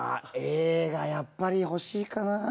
Ａがやっぱり欲しいかな。